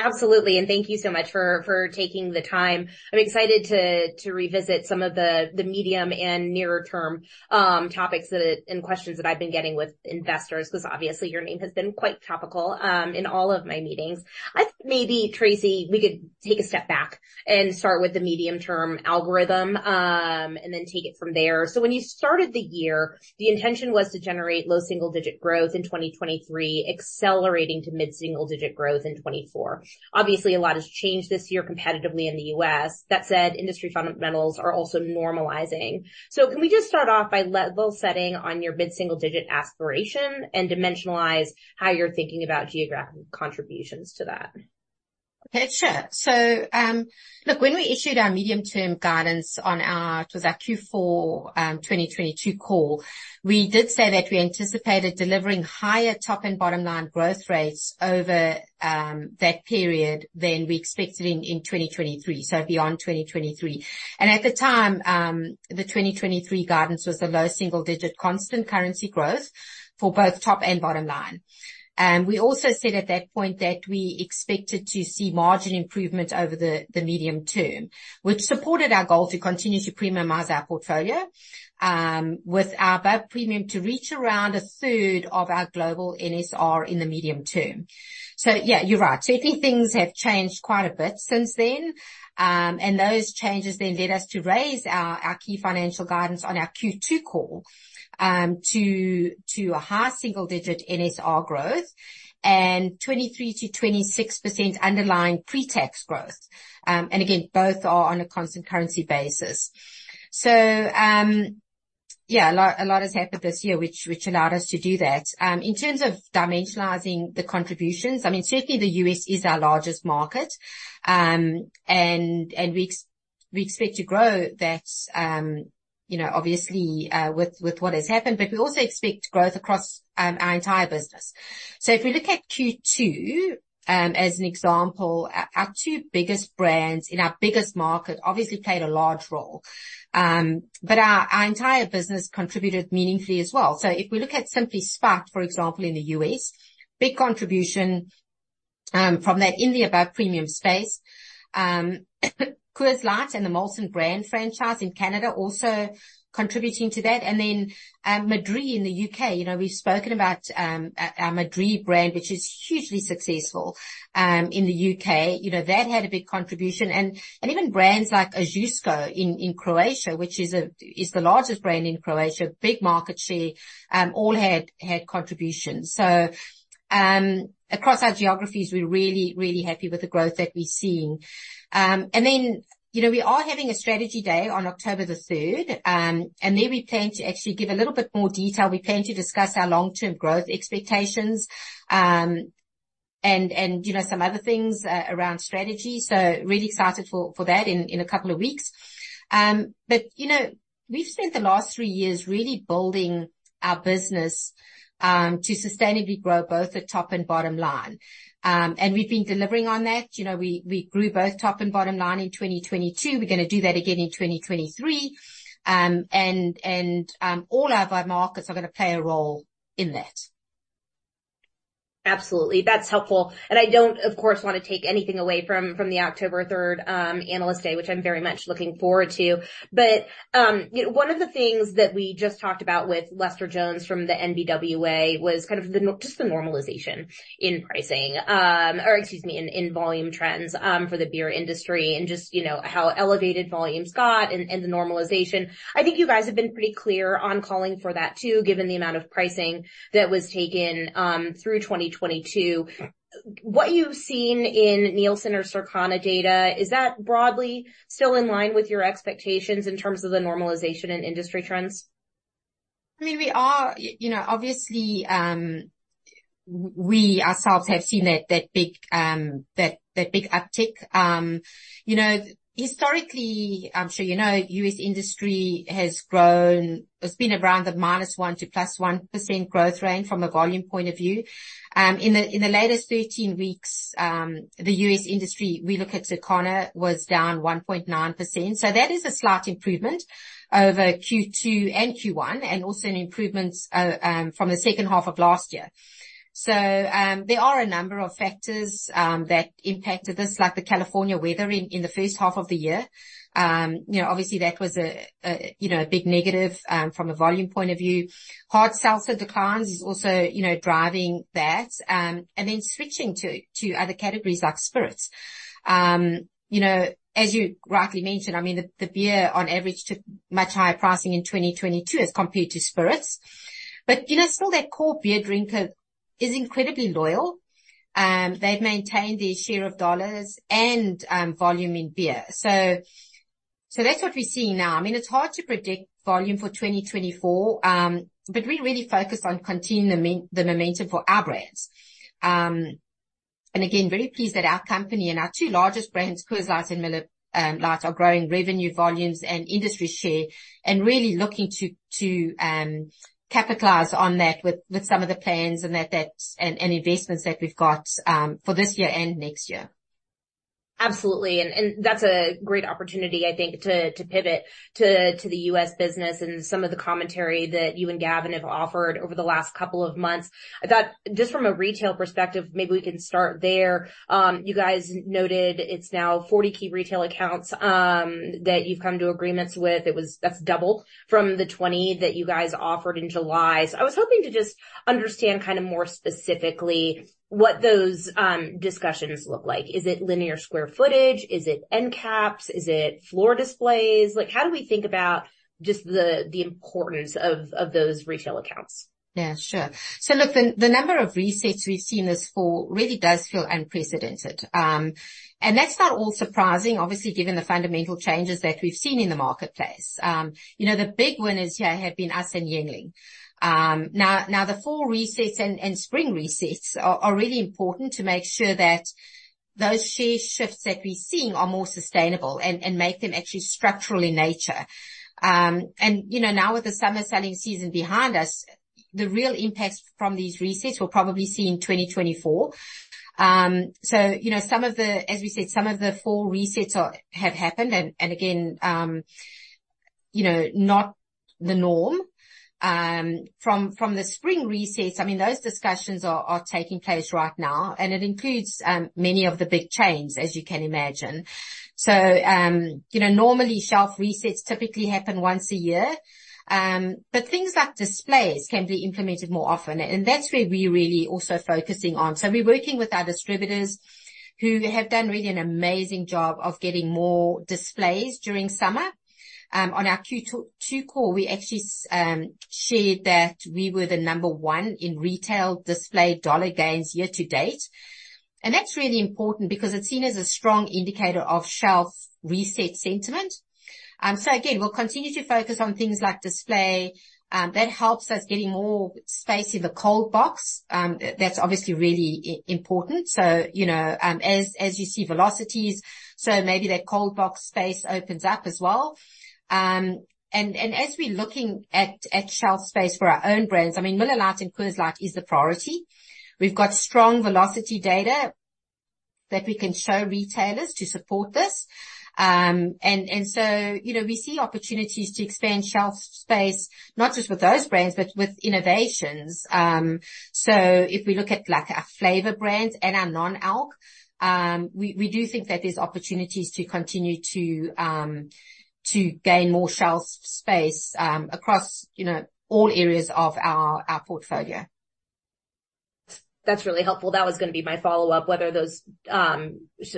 Absolutely, thank you so much for taking the time. I'm excited to revisit some of the medium and nearer-term topics and questions that I've been getting with investors, because obviously your name has been quite topical in all of my meetings. I think maybe, Tracey, we could take a step back and start with the medium-term algorithm, and then take it from there. When you started the year, the intention was to generate low single-digit growth in 2023, accelerating to mid-single digit growth in 2024. Obviously, a lot has changed this year competitively in the U.S. That said, industry fundamentals are also normalizing. Can we just start off by level setting on your mid-single digit aspiration and dimensionalize how you're thinking about geographic contributions to that? Okay, sure. So, look, when we issued our medium-term guidance on our Q4 2022 call, we did say that we anticipated delivering higher top and bottom line growth rates over that period than we expected in 2023, so beyond 2023. And at the time, the 2023 guidance was the low single-digit constant-currency growth for both top and bottom line. We also said at that point that we expected to see margin improvement over the medium term, which supported our goal to continue to premiumize our portfolio, with our above premium to reach around a third of our global NSR in the medium term. So yeah, you're right. Certainly, things have changed quite a bit since then, and those changes then led us to raise our key financial guidance on our Q2 call, to a high single-digit NSR growth and 23%-26% underlying pre-tax growth. And again, both are on a constant currency basis. So, yeah, a lot has happened this year, which allowed us to do that. In terms of dimensionalizing the contributions, I mean, certainly the U.S. is our largest market, and we expect to grow that, you know, obviously, with what has happened. But we also expect growth across our entire business. So if we look at Q2, as an example, our two biggest brands in our biggest market obviously played a large role. But our entire business contributed meaningfully as well. So if we look at Simply Spiked, for example, in the US, big contribution from that in the above premium space. Coors Light and the Molson brand franchise in Canada also contributing to that. And then, Madrí in the UK, you know, we've spoken about our Madrí brand, which is hugely successful in the UK. You know, that had a big contribution and even brands like Ožujsko in Croatia, which is the largest brand in Croatia, big market share, all had contributions. So across our geographies, we're really, really happy with the growth that we're seeing. And then, you know, we are having a strategy day on October the third, and there we plan to actually give a little bit more detail. We plan to discuss our long-term growth expectations, and, you know, some other things around strategy. Really excited for that in a couple of weeks. You know, we've spent the last three years really building our business to sustainably grow both the top and bottom line. We've been delivering on that. You know, we grew both top and bottom line in 2022. We're gonna do that again in 2023. You know, all our markets are gonna play a role in that. Absolutely. That's helpful. I don't, of course, want to take anything away from the October third analyst day, which I'm very much looking forward to. But you know, one of the things that we just talked about with Lester Jones from the NBWA was kind of the just the normalization in pricing, or excuse me, in volume trends for the beer industry and just you know, how elevated volumes got and the normalization. I think you guys have been pretty clear on calling for that too, given the amount of pricing that was taken through 2022. What you've seen in Nielsen or Circana data is that broadly still in line with your expectations in terms of the normalization in industry trends? I mean, we are... You know, obviously, we ourselves have seen that, that big, that, that big uptick. You know, historically, I'm sure you know, US industry has grown. It's been around the minus 1 to plus 1% growth range from a volume point of view. In the, in the latest 13 weeks, the US industry, we look at Circana, was down 1.9%. So that is a slight improvement over Q2 and Q1, and also an improvement from the second half of last year. So, there are a number of factors that impacted this, like the California weather in, in the first half of the year. You know, obviously that was a, a, you know, a big negative from a volume point of view. Hard seltzer declines is also, you know, driving that. And then switching to other categories like spirits. You know, as you rightly mentioned, I mean, the beer on average took much higher pricing in 2022 as compared to spirits. But, you know, still that core beer drinker is incredibly loyal. They've maintained their share of dollars and volume in beer. So that's what we're seeing now. I mean, it's hard to predict volume for 2024, but we really focus on continuing the momentum for our brands. And again, very pleased that our company and our two largest brands, Coors Light and Miller Lite, are growing revenue, volumes, and industry share, and really looking to capitalize on that with some of the plans and investments that we've got for this year and next year. Absolutely. And that's a great opportunity, I think, to pivot to the U.S. business and some of the commentary that you and Gavin have offered over the last couple of months. I thought just from a retail perspective, maybe we can start there. You guys noted it's now 40 key retail accounts that you've come to agreements with. That's double from the 20 that you guys offered in July. So I was hoping to just understand kind of more specifically what those discussions look like. Is it linear square footage? Is it end caps? Is it floor displays? Like, how do we think about just the importance of those retail accounts? Yeah, sure. So look, the number of resets we've seen this fall really does feel unprecedented. And that's not all surprising, obviously, given the fundamental changes that we've seen in the marketplace. You know, the big winners here have been us and Yuengling. Now, the fall resets and spring resets are really important to make sure that those share shifts that we're seeing are more sustainable and make them actually structural in nature. And, you know, now with the summer selling season behind us, the real impacts from these resets we'll probably see in 2024. So, you know, some of the... As we said, some of the fall resets have happened, and again, you know, not the norm. From the spring resets, I mean, those discussions are taking place right now, and it includes many of the big chains, as you can imagine. So, you know, normally, shelf resets typically happen once a year, but things like displays can be implemented more often, and that's where we're really also focusing on. So we're working with our distributors, who have done really an amazing job of getting more displays during summer. On our Q2 call, we actually shared that we were the number one in retail display dollar gains year to date. And that's really important because it's seen as a strong indicator of shelf reset sentiment. So again, we'll continue to focus on things like display that helps us getting more space in the cold box. That's obviously really important. So, you know, as you see velocities, so maybe that cold box space opens up as well. And as we're looking at shelf space for our own brands, I mean, Miller Lite and Coors Light is the priority. We've got strong velocity data that we can show retailers to support this. And so, you know, we see opportunities to expand shelf space, not just with those brands, but with innovations. So if we look at, like, our flavor brands and our non-alc, we do think that there's opportunities to continue to gain more shelf space, across, you know, all areas of our portfolio. That's really helpful. That was gonna be my follow-up, whether those,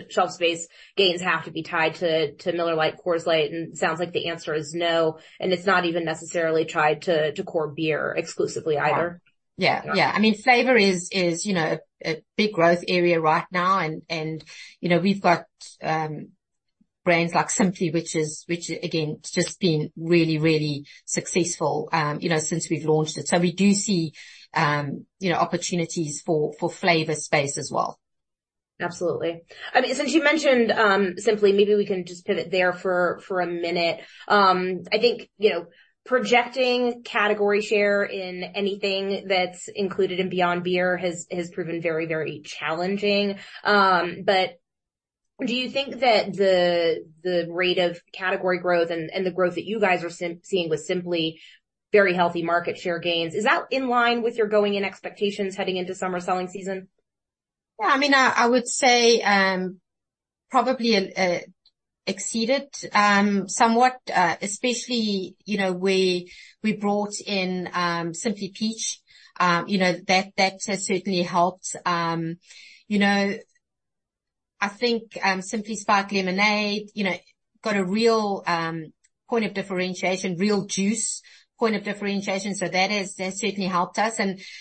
shelf space gains have to be tied to, to Miller Lite, Coors Light, and sounds like the answer is no, and it's not even necessarily tied to, to core beer exclusively either. Yeah. Yeah. I mean, flavor is, you know, a big growth area right now and, you know, we've got brands like Simply, which again just been really, really successful, you know, since we've launched it. So we do see, you know, opportunities for flavor space as well. Absolutely. I mean, since you mentioned Simply, maybe we can just pivot there for a minute. I think, you know, projecting category share in anything that's included in Beyond Beer has proven very, very challenging. But do you think that the rate of category growth and the growth that you guys are seeing with Simply very healthy market share gains, is that in line with your going-in expectations heading into summer selling season? Yeah, I mean, I would say probably exceeded somewhat, especially, you know, we brought in Simply Spiked Peach. You know, that has certainly helped. You know, I think Simply Spiked Lemonade got a real point of differentiation, real juice point of differentiation, so that has certainly helped us.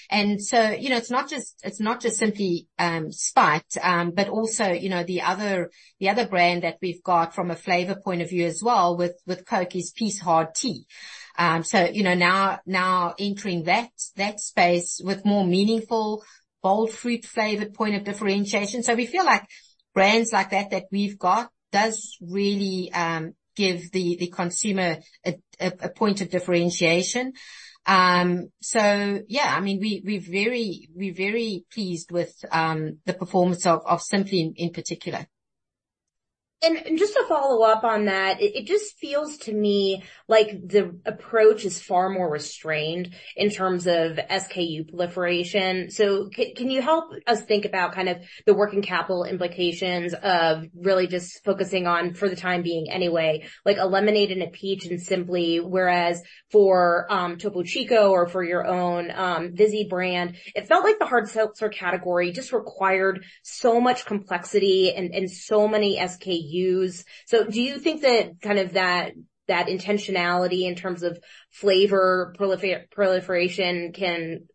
And so, you know, it's not just, it's not just Simply Spiked, but also, you know, the other, the other brand that we've got from a flavor point of view as well with Coke is Peace Hard Tea. So, you know, now entering that space with more meaningful, bold, fruit-flavored point of differentiation. So we feel like brands like that that we've got does really give the consumer a point of differentiation. So yeah, I mean, we're very pleased with the performance of Simply in particular. Just to follow up on that, it just feels to me like the approach is far more restrained in terms of SKU proliferation. So can you help us think about kind of the working capital implications of really just focusing on, for the time being anyway, like a lemonade and a peach and Simply, whereas for Topo Chico or for your own Vizzy brand, it felt like the hard seltzer category just required so much complexity and so many SKUs. So do you think that kind of intentionality in terms of flavor proliferation can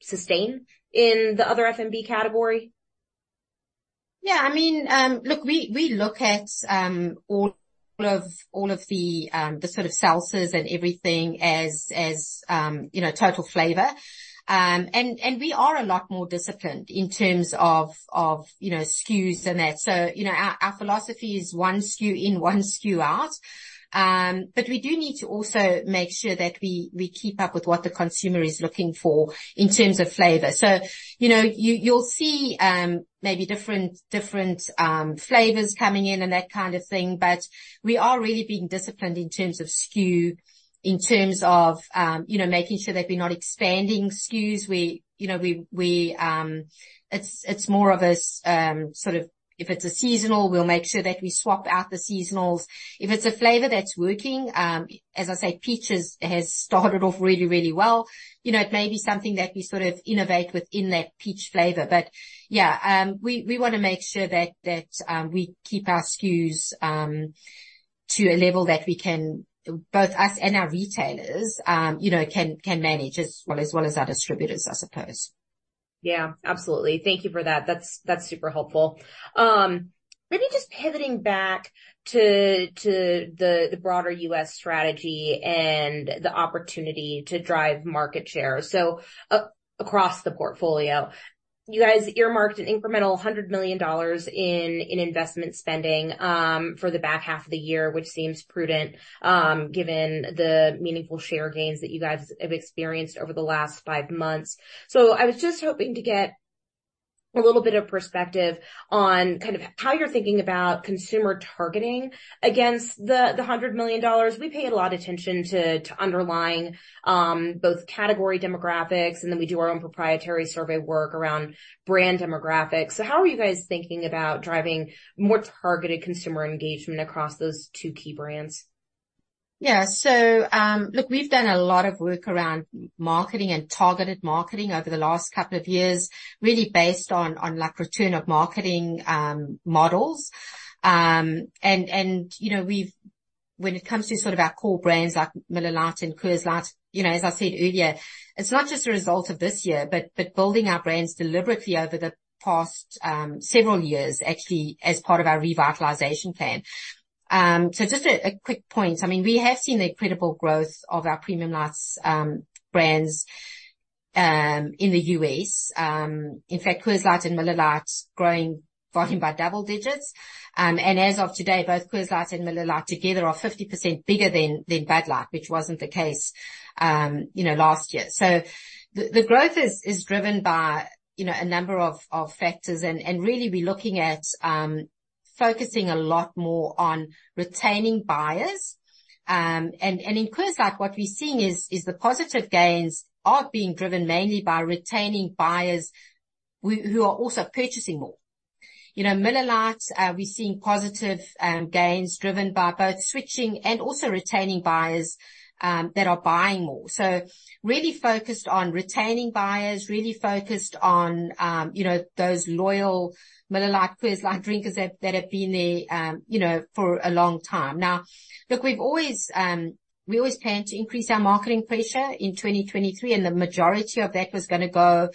sustain in the other FMB category? ...Yeah, I mean, look, we, we look at all of, all of the, the sort of seltzers and everything as, as, you know, total flavor. And we are a lot more disciplined in terms of, of, you know, SKUs and that. So, you know, our, our philosophy is one SKU in, one SKU out. But we do need to also make sure that we, we keep up with what the consumer is looking for in terms of flavor. So, you know, you, you'll see, maybe different, different, flavors coming in and that kind of thing, but we are really being disciplined in terms of SKU, in terms of, you know, making sure that we're not expanding SKUs. We, you know, we, we... It's more of a, sort of if it's a seasonal, we'll make sure that we swap out the seasonals. If it's a flavor that's working, as I say, peaches has started off really, really well, you know, it may be something that we sort of innovate within that peach flavor. Yeah, we want to make sure that we keep our SKUs to a level that we can, both us and our retailers, you know, can manage, as well as our distributors, I suppose. Yeah, absolutely. Thank you for that. That's super helpful. Maybe just pivoting back to the broader U.S. strategy and the opportunity to drive market share. So across the portfolio, you guys earmarked an incremental $100 million in investment spending for the back half of the year, which seems prudent, given the meaningful share gains that you guys have experienced over the last five months. So I was just hoping to get a little bit of perspective on kind of how you're thinking about consumer targeting against the $100 million. We pay a lot attention to underlying both category demographics, and then we do our own proprietary survey work around brand demographics. So how are you guys thinking about driving more targeted consumer engagement across those two key brands? Yeah. Look, we've done a lot of work around marketing and targeted marketing over the last couple of years, really based on, like, return of marketing models. And, you know, we've-- when it comes to sort of our core brands like Miller Lite and Coors Light, you know, as I said earlier, it's not just a result of this year, but building our brands deliberately over the past several years, actually, as part of our revitalization plan. So just a quick point. I mean, we have seen incredible growth of our premium lights, brands, in the U.S. In fact, Coors Light and Miller Lite growing volume by double digits. And as of today, both Coors Light and Miller Lite together are 50% bigger than Bud Light, which wasn't the case, you know, last year. So the growth is driven by a number of factors, and really, we're looking at focusing a lot more on retaining buyers. And in Coors Light, what we're seeing is the positive gains are being driven mainly by retaining buyers who are also purchasing more. You know, Miller Lite, we're seeing positive gains driven by both switching and also retaining buyers that are buying more. So really focused on retaining buyers, really focused on, you know, those loyal Miller Lite, Coors Light drinkers that have been there, you know, for a long time. Now, look, we've always, we always plan to increase our marketing pressure in 2023, and the majority of that was gonna go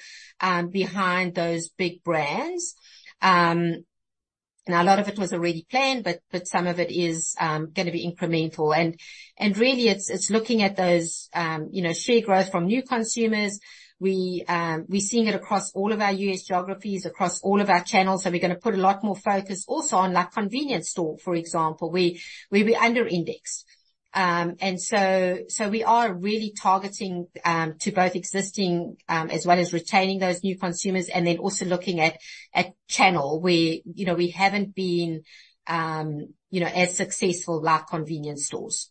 behind those big brands. A lot of it was already planned, but some of it is gonna be incremental. Really, it's looking at those, you know, share growth from new consumers. We, we're seeing it across all of our U.S. geographies, across all of our channels, so we're gonna put a lot more focus also on, like, convenience store, for example, where we be under indexed. We are really targeting to both existing, as well as retaining those new consumers, and then also looking at channel, where, you know, we haven't been, you know, as successful, like convenience stores.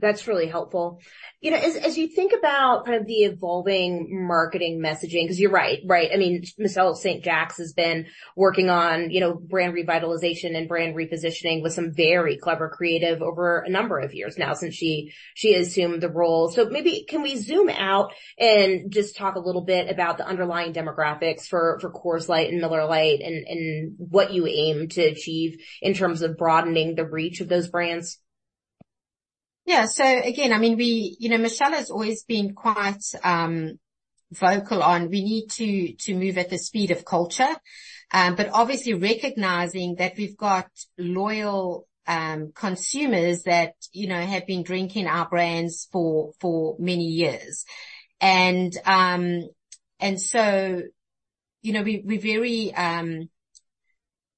That's really helpful. You know, as you think about kind of the evolving marketing messaging, 'cause you're right, right? I mean, Michelle St. Jacques has been working on, you know, brand revitalization and brand repositioning with some very clever creative over a number of years now, since she assumed the role. So maybe can we zoom out and just talk a little bit about the underlying demographics for Coors Light and Miller Lite and what you aim to achieve in terms of broadening the reach of those brands? Yeah. Again, I mean, we... You know, Michelle has always been quite, you know, vocal on, we need to move at the speed of culture, obviously recognizing that we've got loyal, you know, consumers that, you know, have been drinking our brands for many years. You know, we're very,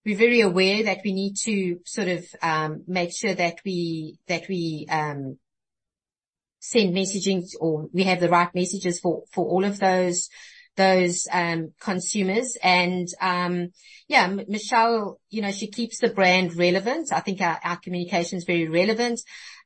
we're very aware that we need to sort of make sure that we, that we send messaging or we have the right messages for all of those, those consumers. Yeah, Michelle, you know, she keeps the brand relevant. I think our, our communication is very relevant,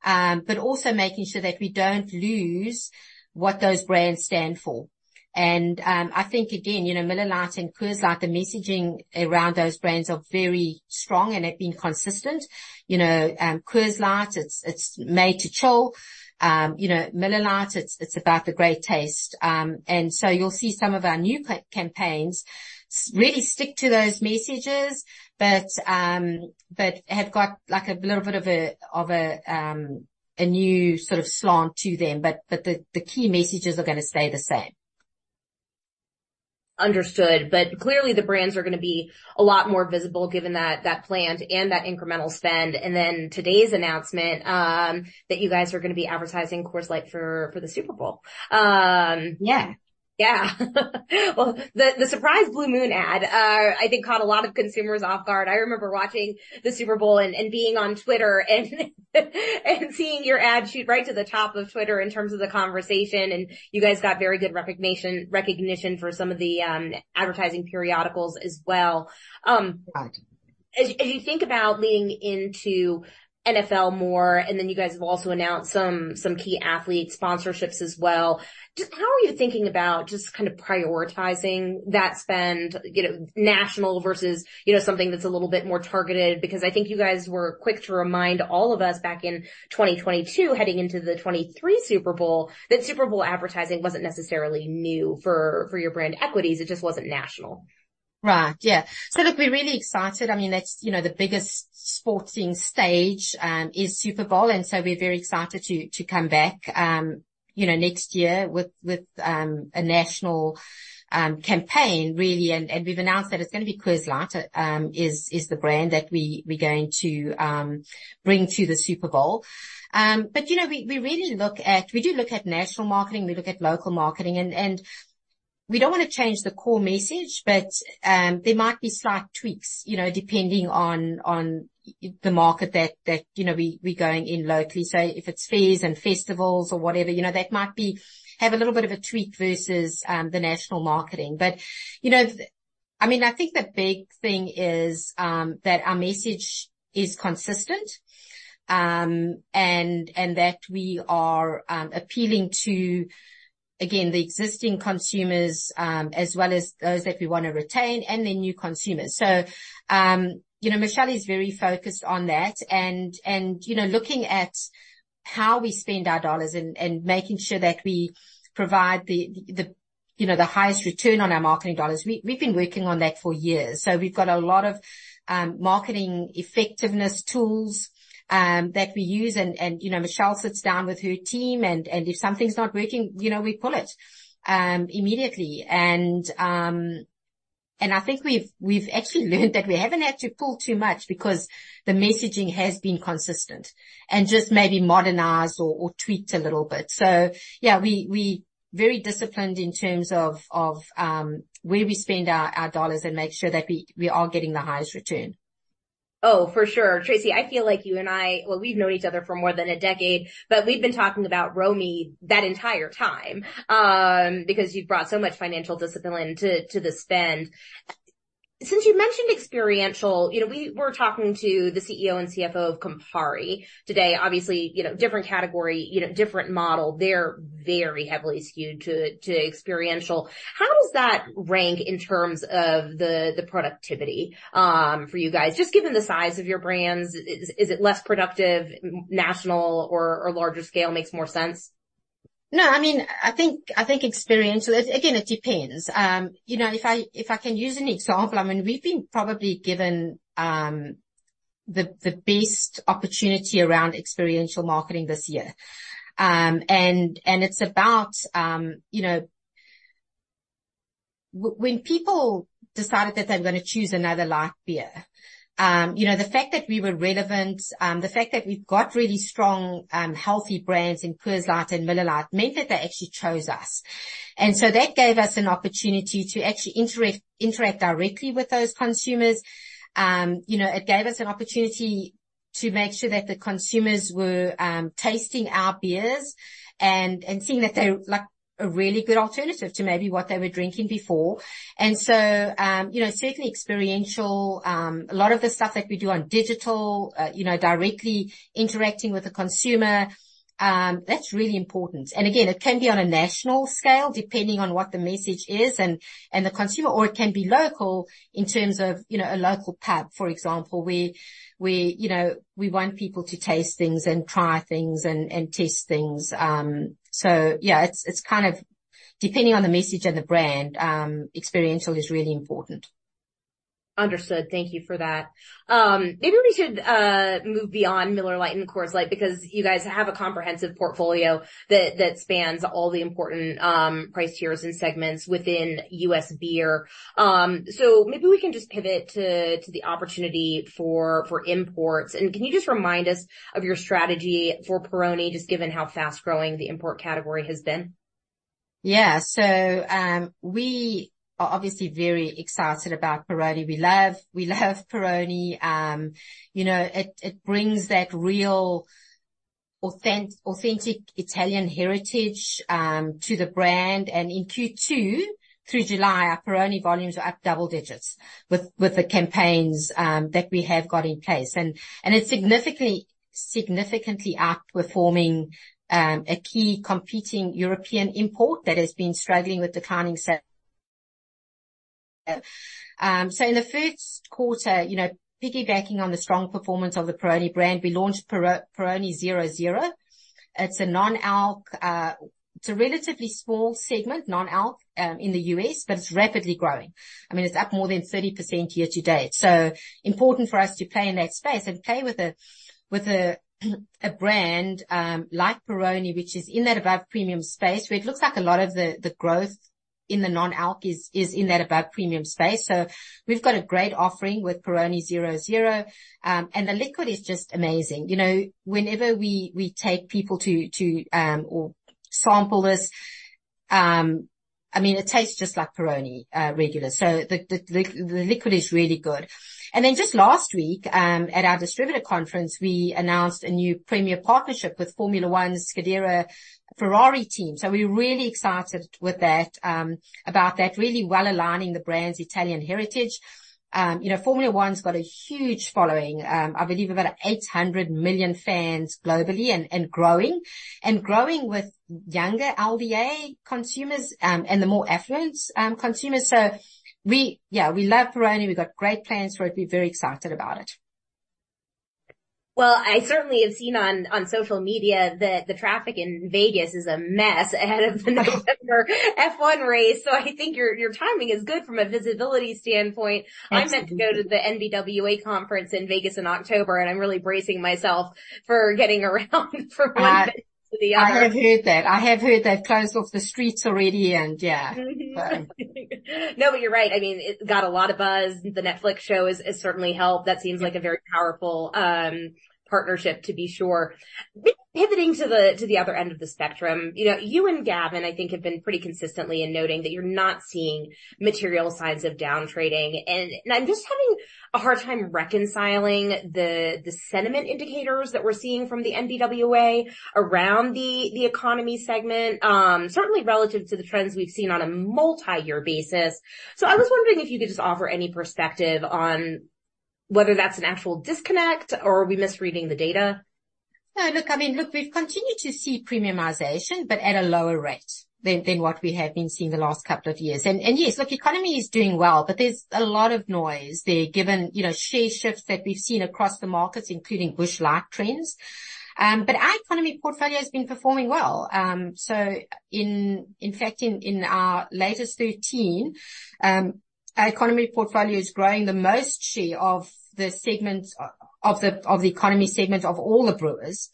you know, but also making sure that we don't lose what those brands stand for. I think again, you know, Miller Lite and Coors Light, the messaging around those brands are very strong and have been consistent. You know, Coors Light, it's, it's made to chill. You know, Miller Lite, it's, it's about the great taste. And so you'll see some of our new campaigns really stick to those messages, but, but have got like a little bit of a, of a, a new sort of slant to them. But, but the, the key messages are gonna stay the same. ...Understood. But clearly, the brands are going to be a lot more visible, given that planned and that incremental spend, and then today's announcement that you guys are gonna be advertising Coors Light for the Super Bowl. Yeah. Yeah. Well, the surprise Blue Moon ad, I think, caught a lot of consumers off guard. I remember watching the Super Bowl and being on Twitter and seeing your ad shoot right to the top of Twitter in terms of the conversation, and you guys got very good recognition for some of the advertising periodicals as well. Right. As you think about leaning into NFL more, and then you guys have also announced some key athlete sponsorships as well, just how are you thinking about just kind of prioritizing that spend, you know, national versus, you know, something that's a little bit more targeted? Because I think you guys were quick to remind all of us back in 2022, heading into the 2023 Super Bowl, that Super Bowl advertising wasn't necessarily new for your brand equities, it just wasn't national. Right. Yeah. So look, we're really excited. I mean, that's, you know, the biggest sporting stage is Super Bowl, and so we're very excited to come back, you know, next year with a national campaign, really. And we've announced that it's gonna be Coors Light is the brand that we're going to bring to the Super Bowl. But, you know, we really look at... We do look at national marketing, we look at local marketing, and we don't wanna change the core message, but there might be slight tweaks, you know, depending on the market that we're going in locally. So if it's fairs and festivals or whatever, you know, that might have a little bit of a tweak versus the national marketing. But, you know, I mean, I think the big thing is that our message is consistent, and that we are appealing to, again, the existing consumers, as well as those that we wanna retain and the new consumers. So, you know, Michelle is very focused on that, and, you know, looking at how we spend our dollars and making sure that we provide the, you know, the highest return on our marketing dollars. We've been working on that for years, so we've got a lot of marketing effectiveness tools that we use. And, you know, Michelle sits down with her team, and if something's not working, you know, we pull it immediately. I think we've actually learned that we haven't had to pull too much because the messaging has been consistent and just maybe modernized or tweaked a little bit. So yeah, we very disciplined in terms of where we spend our dollars and make sure that we are getting the highest return. Oh, for sure. Tracey, I feel like you and I, well, we've known each other for more than a decade, but we've been talking about ROMI that entire time, because you've brought so much financial discipline to the spend. Since you mentioned experiential, you know, we were talking to the CEO and CFO of Campari today. Obviously, you know, different category, you know, different model. They're very heavily skewed to experiential. How does that rank in terms of the productivity for you guys? Just given the size of your brands, is it less productive, national or larger scale makes more sense? No, I mean, I think, I think experiential... Again, it depends. You know, if I can use an example, I mean, we've been probably given the best opportunity around experiential marketing this year. It's about, you know, when people decided that they're gonna choose another light beer, you know, the fact that we were relevant, you know, the fact that we've got really strong, healthy brands in Coors Light and Miller Lite, meant that they actually chose us. That gave us an opportunity to actually interact directly with those consumers. You know, it gave us an opportunity to make sure that the consumers were tasting our beers and seeing that they're like, a really good alternative to maybe what they were drinking before. You know, certainly experiential, a lot of the stuff that we do on digital, you know, directly interacting with the consumer, that's really important. Again, it can be on a national scale, depending on what the message is and the consumer, or it can be local in terms of, you know, a local pub, for example, where we, you know, we want people to taste things and try things and test things. Yeah, it's kind of depending on the message and the brand, experiential is really important. Understood. Thank you for that. Maybe we should move beyond Miller Lite and Coors Light, because you guys have a comprehensive portfolio that spans all the important price tiers and segments within U.S. beer. So maybe we can just pivot to the opportunity for imports. Can you just remind us of your strategy for Peroni, just given how fast-growing the import category has been? Yeah. So, we are obviously very excited about Peroni. We love, we love Peroni. You know, it, it brings that real authentic Italian heritage to the brand. And in Q2, through July, our Peroni volumes are up double digits with the campaigns that we have got in place. And it's significantly, significantly outperforming a key competing European import that has been struggling with declining sales. So in the first quarter, you know, piggybacking on the strong performance of the Peroni brand, we launched Peroni 0.0. It's a non-alc. It's a relatively small segment, non-alc, in the U.S., but it's rapidly growing. I mean, it's up more than 30% year to date, so important for us to play in that space and play with a brand like Peroni, which is in that above-premium space, where it looks like a lot of the growth in the non-alc is in that above premium space. So we've got a great offering with Peroni 0.0, and the liquid is just amazing. You know, whenever we take people to or sample this, I mean, it tastes just like Peroni regular. So the liquid is really good. And then just last week, at our distributor conference, we announced a new premier partnership with Formula One's Scuderia Ferrari team. So we're really excited with that, about that, really well aligning the brand's Italian heritage. You know, Formula One's got a huge following, I believe, about 800 million fans globally, and growing, and growing with younger LDA consumers, and the more affluent consumers. So we... Yeah, we love Peroni. We've got great plans for it. We're very excited about it. Well, I certainly have seen on social media that the traffic in Vegas is a mess ahead of the November F1 race, so I think your timing is good from a visibility standpoint. Absolutely. I'm meant to go to the NBWA conference in Vegas in October, and I'm really bracing myself for getting around from one place to the other. I have heard that. I have heard they've closed off the streets already, and yeah. No, but you're right. I mean, it got a lot of buzz. The Netflix show has certainly helped. That seems like a very powerful partnership, to be sure. Pivoting to the other end of the spectrum, you know, you and Gavin, I think, have been pretty consistently in noting that you're not seeing material signs of down trading. And I'm just having a hard time reconciling the sentiment indicators that we're seeing from the NBWA around the economy segment, certainly relative to the trends we've seen on a multi-year basis. So I was wondering if you could just offer any perspective on whether that's an actual disconnect or are we misreading the data? No, look, I mean, look, we've continued to see premiumization, but at a lower rate than what we have been seeing the last couple of years. And yes, look, economy is doing well, but there's a lot of noise there, given, you know, share shifts that we've seen across the markets, including Busch Light trends. But our economy portfolio has been performing well. So in fact, in our latest 13, our economy portfolio is growing the most share of the segments, of the economy segments of all the brewers.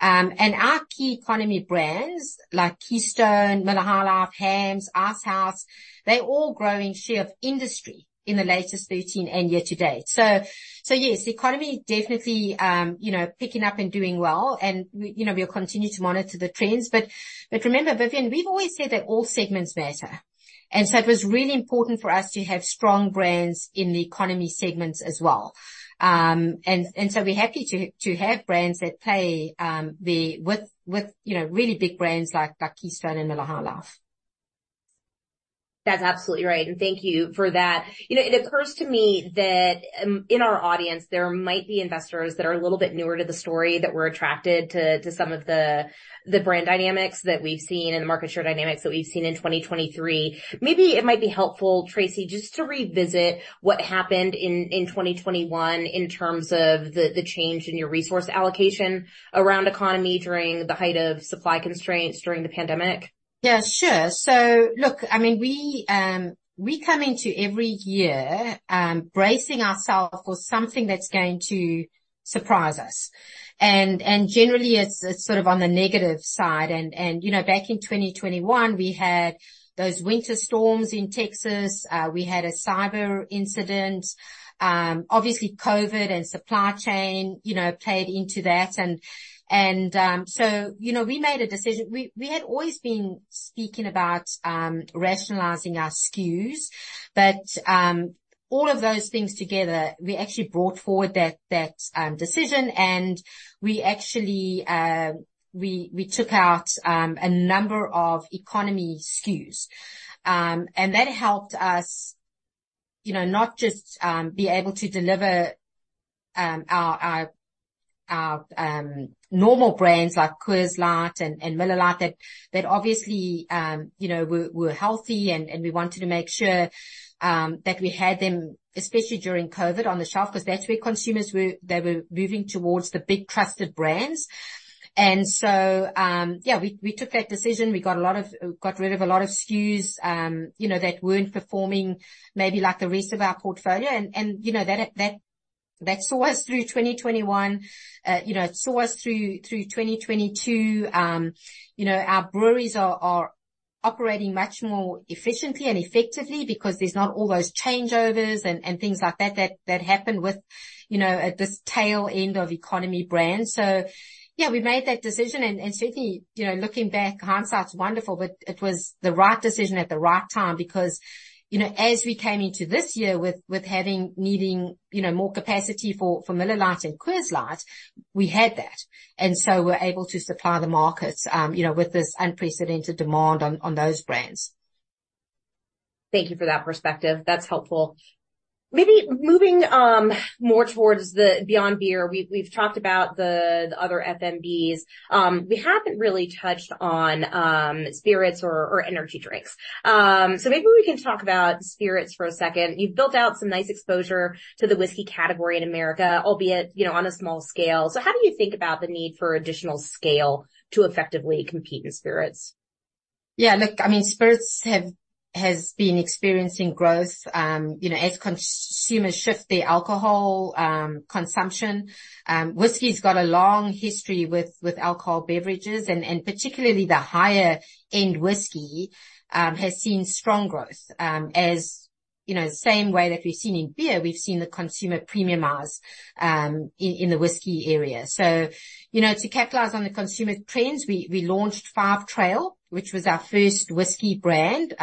And our key economy brands like Keystone, Miller High Life, Hamm's, Icehouse, they're all growing share of industry in the latest 13 and year to date. Yes, the economy is definitely, you know, picking up and doing well, and we, you know, we'll continue to monitor the trends. But remember, Vivian, we've always said that all segments matter, and so it was really important for us to have strong brands in the economy segments as well. And so we're happy to have brands that play, you know, the... with, you know, really big brands like Keystone and Miller High Life. That's absolutely right, and thank you for that. You know, it occurs to me that in our audience, there might be investors that are a little bit newer to the story that we're attracted to some of the brand dynamics that we've seen and the market share dynamics that we've seen in 2023. Maybe it might be helpful, Tracey, just to revisit what happened in 2021 in terms of the change in your resource allocation around economy during the height of supply constraints during the pandemic. Yeah, sure. So look, I mean, we come into every year, bracing ourself for something that's going to surprise us and generally, it's sort of on the negative side. And you know, back in 2021, we had those winter storms in Texas, we had a cyber incident. Obviously, COVID and supply chain, you know, played into that, and so you know, we made a decision. We had always been speaking about rationalizing our SKUs, but all of those things together, we actually brought forward that decision, and we actually, we took out a number of economy SKUs. And that helped us, you know, not just be able to deliver our normal brands like Coors Light and Miller Lite, that obviously, you know, were healthy and we wanted to make sure that we had them, especially during COVID, on the shelf, because that's where consumers were. They were moving towards the big trusted brands. And so, yeah, we took that decision. We got rid of a lot of SKUs, you know, that weren't performing maybe like the rest of our portfolio. And, you know, that saw us through 2021. It saw us through 2022. You know, our breweries are operating much more efficiently and effectively because there's not all those changeovers and things like that that happened with, you know, at this tail end of economy brands. So yeah, we made that decision, and certainly, you know, looking back, hindsight's wonderful, but it was the right decision at the right time because, you know, as we came into this year with having needing, you know, more capacity for Miller Lite and Coors Light, we had that. And so we're able to supply the markets, you know, with this unprecedented demand on those brands. Thank you for that perspective. That's helpful. Maybe moving more towards the Beyond Beer, we've talked about the other FMBs. We haven't really touched on spirits or energy drinks. So maybe we can talk about spirits for a second. You've built out some nice exposure to the whiskey category in America, albeit, you know, on a small scale. So how do you think about the need for additional scale to effectively compete in spirits? Yeah, look, I mean, spirits have, has been experiencing growth, you know, as consumers shift their alcohol consumption. Whiskey's got a long history with alcohol beverages, and particularly the higher-end whiskey has seen strong growth, you know, the same way that we've seen in beer, we've seen the consumer premiumize in the whiskey area. So, you know, to capitalize on the consumer trends, we launched Five Trail, which was our first whiskey brand,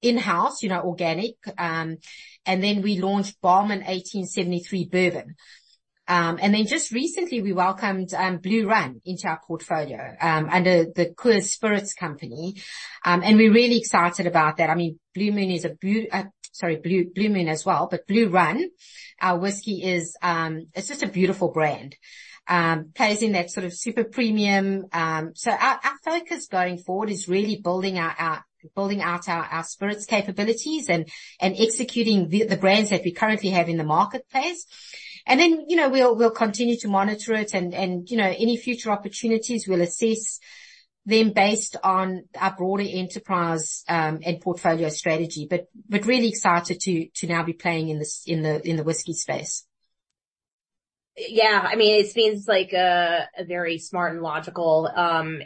in-house, you know, organic. And then we launched Barmen 1873 Bourbon. And then just recently, we welcomed Blue Run into our portfolio under the Coors Spirits Company. And we're really excited about that. I mean, Blue Moon is a blue, sorry, Blue Moon as well, but Blue Run, our whiskey, is just a beautiful brand. Plays in that sort of super premium. So our focus going forward is really building out our spirits capabilities and executing the brands that we currently have in the marketplace. Then, you know, we'll continue to monitor it and, you know, any future opportunities we'll assess them based on our broader enterprise and portfolio strategy. But really excited to now be playing in the whiskey space. Yeah, I mean, it seems like a very smart and logical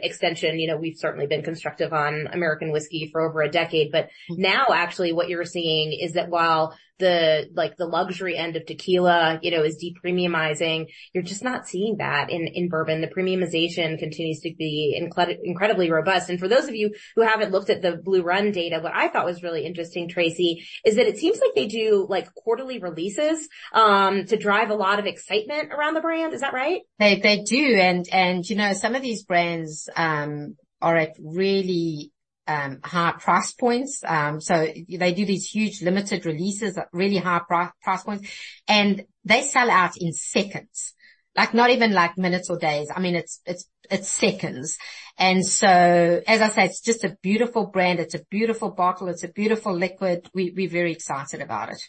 extension. You know, we've certainly been constructive on American Whiskey for over a decade, but now actually what you're seeing is that while the... like, the luxury end of tequila, you know, is de-premiumizing, you're just not seeing that in bourbon. The premiumization continues to be incredibly robust. And for those of you who haven't looked at the Blue Run data, what I thought was really interesting, Tracey, is that it seems like they do like, quarterly releases to drive a lot of excitement around the brand. Is that right? They do, and you know, some of these brands are at really high price points. So they do these huge limited releases at really high price points, and they sell out in seconds. Like, not even like minutes or days. I mean, it's seconds. And so, as I said, it's just a beautiful brand, it's a beautiful bottle, it's a beautiful liquid. We're very excited about it.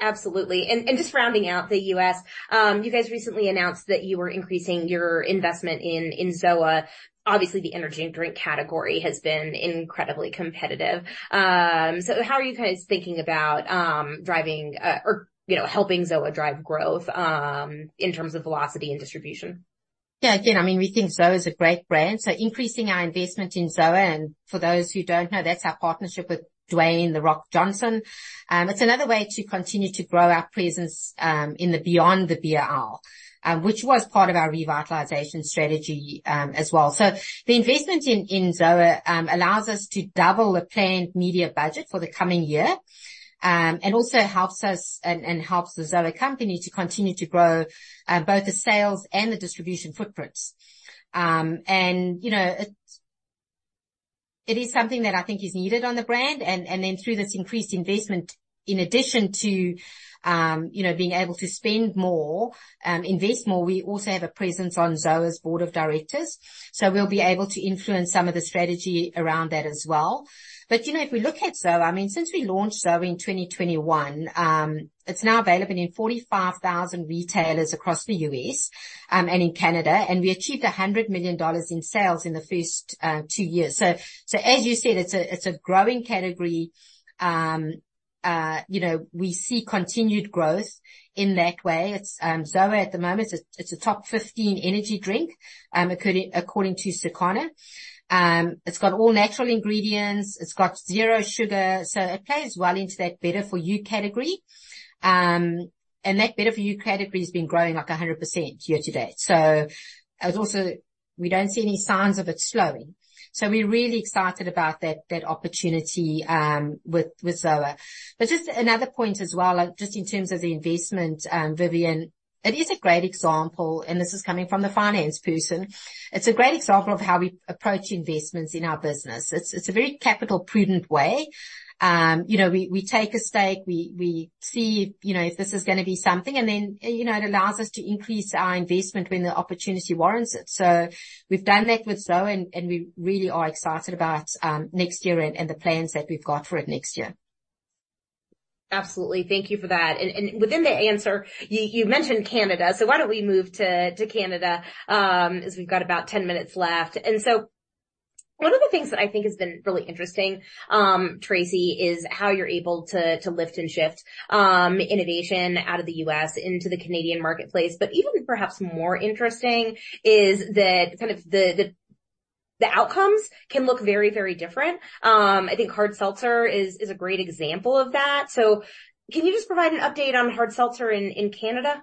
Absolutely. Just rounding out the U.S., you guys recently announced that you were increasing your investment in ZOA. Obviously, the energy drink category has been incredibly competitive. How are you guys thinking about driving, or, you know, helping ZOA drive growth in terms of velocity and distribution? Yeah, again, I mean, we think ZOA is a great brand, so increasing our investment in ZOA, and for those who don't know, that's our partnership with Dwayne The Rock Johnson. It's another way to continue to grow our presence, in the beyond the beer aisle, which was part of our revitalization strategy, as well. So the investment in ZOA allows us to double the planned media budget for the coming year, and also helps us and helps the ZOA company to continue to grow, both the sales and the distribution footprints. And, you know, it is something that I think is needed on the brand, and then through this increased investment, in addition to, you know, being able to spend more, invest more, we also have a presence on ZOA's board of directors, so we'll be able to influence some of the strategy around that as well. But, you know, if we look at ZOA, I mean, since we launched ZOA in 2021, it's now available in 45,000 retailers across the U.S., and in Canada, and we achieved $100 million in sales in the first two years. So, as you said, it's a growing category. You know, we see continued growth in that way. It's ZOA at the moment, it's a top 15 energy drink, according to Circana. It's got all natural ingredients, it's got zero sugar, so it plays well into that better for you category. That better for you category has been growing, like, 100% year to date, so... We don't see any signs of it slowing. So we're really excited about that, that opportunity, with ZOA. But just another point as well, like, just in terms of the investment, Vivian, it is a great example, and this is coming from the finance person. It's a great example of how we approach investments in our business. It's, it's a very capital prudent way. You know, we, we take a stake, we, we see, you know, if this is gonna be something, and then, you know, it allows us to increase our investment when the opportunity warrants it. So we've done that with ZOA, and we really are excited about next year and the plans that we've got for it next year. Absolutely. Thank you for that. And within the answer, you mentioned Canada, so why don't we move to Canada, as we've got about 10 minutes left. One of the things that I think has been really interesting, Tracey, is how you're able to lift and shift innovation out of the U.S. into the Canadian marketplace. But even perhaps more interesting is that kind of the outcomes can look very, very different. I think hard seltzer is a great example of that. So can you just provide an update on hard seltzer in Canada?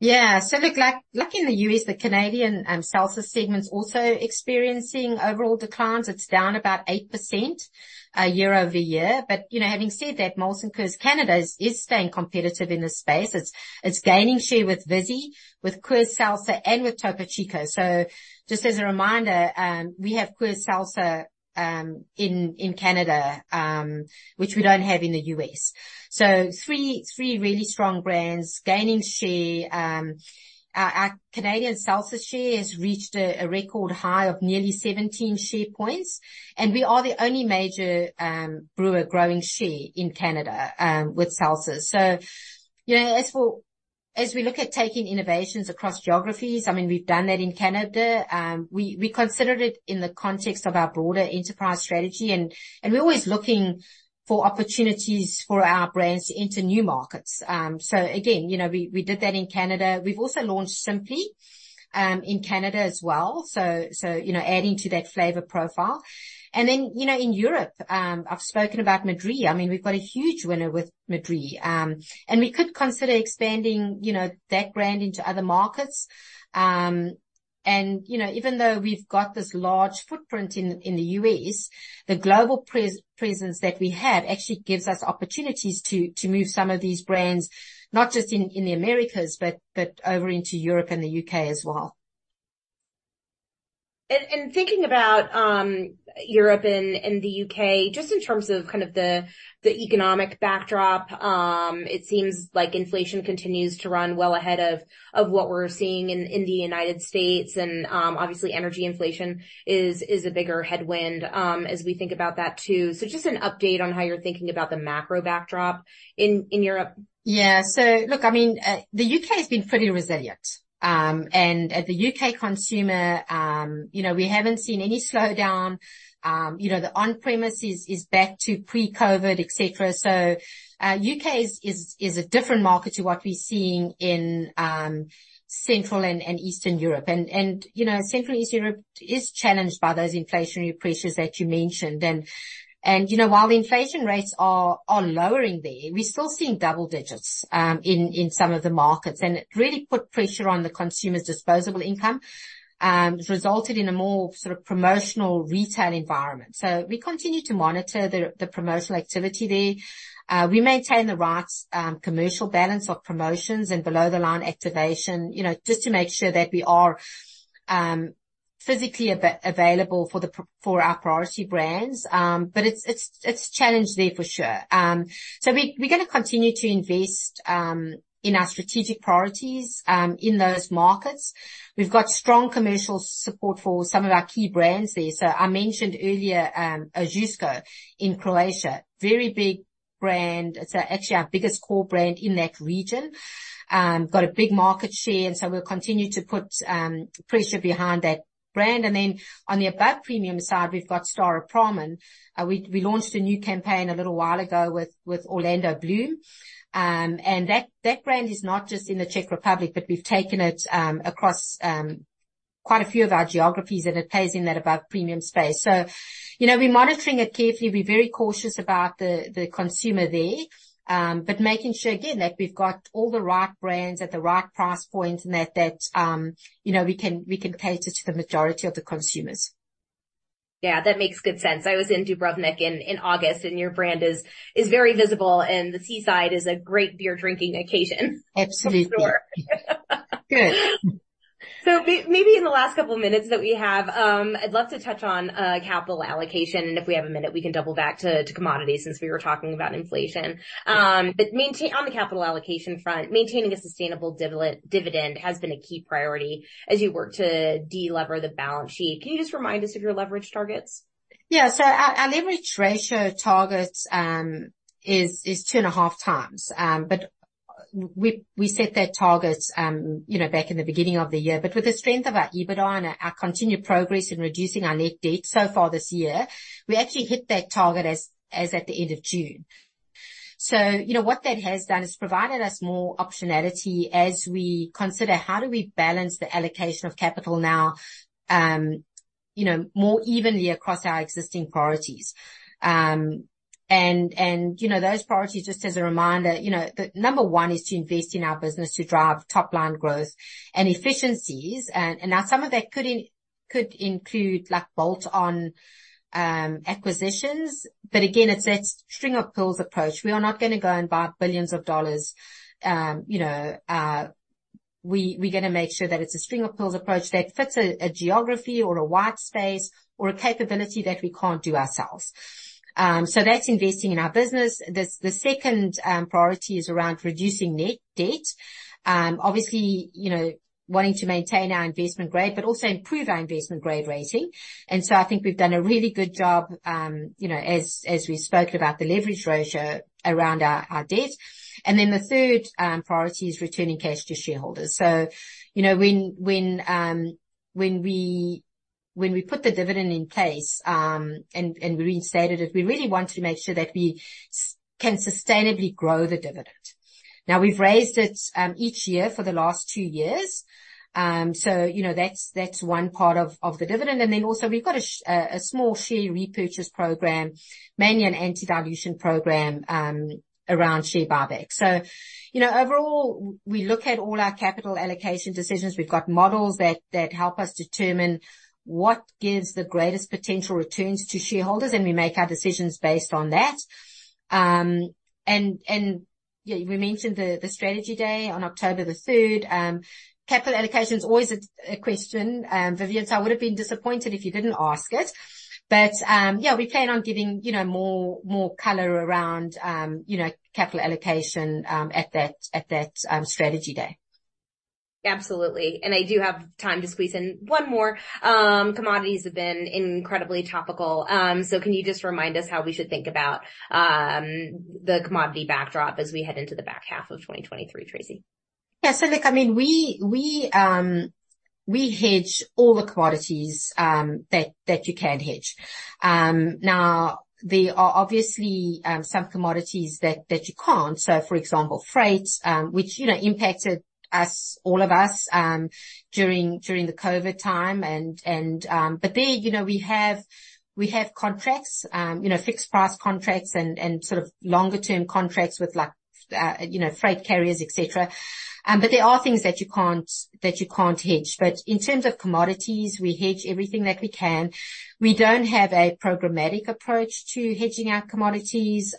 Yeah. So look, like, like in the US, the Canadian seltzer segment is also experiencing overall declines. It's down about 8%, year-over-year. But, you know, having said that, Molson Coors Canada is staying competitive in this space. It's gaining share with Vizzy, with Coors Seltzer, and with Topo Chico. So just as a reminder, we have Coors Seltzer in Canada, which we don't have in the US. So three really strong brands gaining share. Our Canadian seltzer share has reached a record high of nearly 17 share points, and we are the only major brewer growing share in Canada with seltzer. So, you know, as we look at taking innovations across geographies, I mean, we've done that in Canada. We considered it in the context of our broader enterprise strategy, and we're always looking for opportunities for our brands to enter new markets. So again, you know, we did that in Canada. We've also launched Simply Spiked in Canada as well, so you know, adding to that flavor profile. And then, you know, in Europe, I've spoken about Madrí. I mean, we've got a huge winner with Madrí. And we could consider expanding, you know, that brand into other markets. And, you know, even though we've got this large footprint in the U.S., the global presence that we have actually gives us opportunities to move some of these brands, not just in the Americas, but over into Europe and the U.K. as well. Thinking about Europe and the U.K., just in terms of kind of the economic backdrop, it seems like inflation continues to run well ahead of what we're seeing in the United States. Obviously, energy inflation is a bigger headwind as we think about that too. So just an update on how you're thinking about the macro backdrop in Europe. Yeah. So look, I mean, the UK has been pretty resilient. And at the UK consumer, you know, we haven't seen any slowdown. You know, the on-premise is back to pre-COVID, et cetera. So, UK is a different market to what we're seeing in Central and Eastern Europe. And, you know, Central and Eastern Europe is challenged by those inflationary pressures that you mentioned. And, you know, while the inflation rates are lowering there, we're still seeing double digits in some of the markets, and it really put pressure on the consumer's disposable income. It's resulted in a more sort of promotional retail environment. So we continue to monitor the promotional activity there. We maintain the right commercial balance of promotions and below-the-line activation, you know, just to make sure that we are physically available for our priority brands. But it's a challenge there for sure. So we're gonna continue to invest in our strategic priorities in those markets. We've got strong commercial support for some of our key brands there. So I mentioned earlier, Ožujsko in Croatia, very big brand. It's actually our biggest core brand in that region. Got a big market share, and so we'll continue to put pressure behind that brand. And then on the above premium side, we've got Staropramen. We launched a new campaign a little while ago with Orlando Bloom, and that brand is not just in the Czech Republic, but we've taken it across quite a few of our geographies, and it plays in that above premium space. So, you know, we're monitoring it carefully. We're very cautious about the consumer there, but making sure again, that we've got all the right brands at the right price point, and that you know, we can cater to the majority of the consumers. Yeah, that makes good sense. I was in Dubrovnik in August, and your brand is very visible, and the seaside is a great beer drinking occasion. Absolutely. For sure. Good. So maybe in the last couple of minutes that we have, I'd love to touch on capital allocation, and if we have a minute, we can double back to commodities since we were talking about inflation. But maintain... On the capital allocation front, maintaining a sustainable dividend has been a key priority as you work to de-lever the balance sheet. Can you just remind us of your leverage targets? Yeah. Our leverage ratio target is 2.5 times. We set that target back in the beginning of the year. With the strength of our EBITDA and our continued progress in reducing our net debt so far this year, we actually hit that target as at the end of June. What that has done is provided us more optionality as we consider how we balance the allocation of capital now, you know, more evenly across our existing priorities. You know, those priorities, just as a reminder, the number one is to invest in our business to drive top-line growth and efficiencies. Now some of that could include, like, bolt-on acquisitions. Again, it's that string-of-pearls approach. We are not gonna go and buy $ billions. You know, we, we're gonna make sure that it's a string-of-pearls approach that fits a, a geography or a white space or a capability that we can't do ourselves. So that's investing in our business. The second priority is around reducing net debt. Obviously, you know, wanting to maintain our investment grade, but also improve our investment grade rating. And so I think we've done a really good job, you know, as, as we spoke about the leverage ratio around our, our debt. And then the third priority is returning cash to shareholders. So, you know, when, when, when we, when we put the dividend in place, and, and reinstated it, we really wanted to make sure that we can sustainably grow the dividend. Now, we've raised it each year for the last two years. You know, that's one part of the dividend. Also, we've got a small share repurchase program, mainly an anti-dilution program, around share buyback. You know, overall, we look at all our capital allocation decisions. We've got models that help us determine what gives the greatest potential returns to shareholders, and we make our decisions based on that. Yeah, we mentioned the strategy day on October the 3rd. Capital allocation is always a question, Vivian, so I would have been disappointed if you didn't ask it. Yeah, we plan on giving more color around capital allocation at that strategy day. Absolutely. I do have time to squeeze in one more. Commodities have been incredibly topical. Can you just remind us how we should think about the commodity backdrop as we head into the back half of 2023, Tracey? Yeah. So, look, I mean, we hedge all the commodities that you can hedge. Now, there are obviously some commodities that you can't. So, for example, freight, which, you know, impacted us, all of us, during the COVID time. But there, you know, we have contracts, you know, fixed-price contracts and sort of longer-term contracts with, like, freight carriers, et cetera. But there are things that you can't hedge. But in terms of commodities, we hedge everything that we can. We don't have a programmatic approach to hedging our commodities.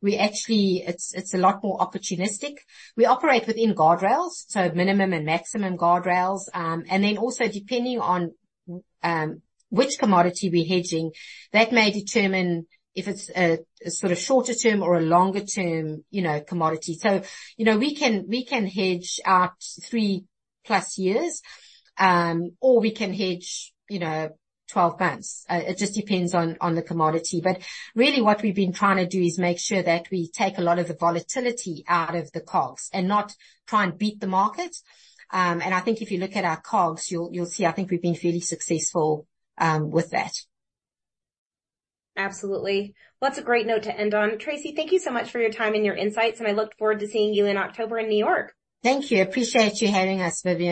We actually... It's a lot more opportunistic. We operate within guardrails, so minimum and maximum guardrails. And then also, depending on which commodity we're hedging, that may determine if it's a sort of shorter-term or a longer-term, you know, commodity. So, you know, we can hedge out 3+ years, or we can hedge, you know, 12 months. It just depends on the commodity. But really, what we've been trying to do is make sure that we take a lot of the volatility out of the COGS and not try and beat the market. And I think if you look at our COGS, you'll see, I think we've been fairly successful with that. Absolutely. Well, that's a great note to end on. Tracey, thank you so much for your time and your insights, and I look forward to seeing you in October in New York. Thank you. I appreciate you having us, Vivian.